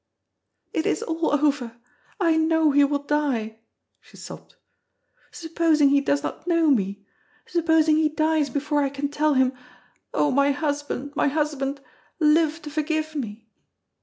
"It is all over; I know he will die," she sobbed. "Supposing he does not know me supposing he dies before I can tell him. Oh, my husband, my husband, live to forgive me!"